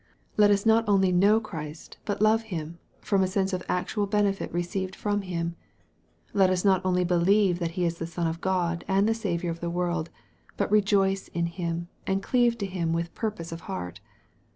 Let us not only know Christ but love Him, from a sense of actual benefit received from Him. Let us not only believe that he is the Son of God and the Saviour of the world, but rejoice in Him, and cleave to Him with purpose of heart.